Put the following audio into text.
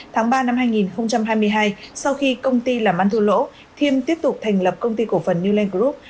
tháng ba năm hai nghìn hai mươi hai sau khi công ty làm ăn thu lỗ thiêm tiếp tục thành lập công ty cổ phần newland group